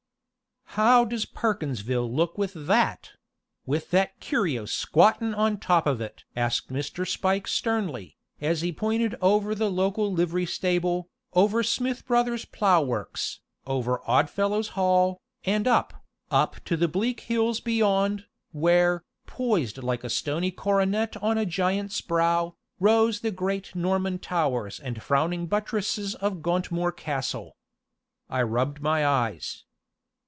"How does Perkinsville look with that with that curio squattin' on top of it?" asked Mr. Spike sternly, as he pointed over the local livery stable, over Smith Brothers' Plow Works, over Odd Fellows' Hall, and up, up to the bleak hills beyond, where, poised like a stony coronet on a giant's brow, rose the great Norman towers and frowning buttresses of Gauntmoor Castle. I rubbed my eyes.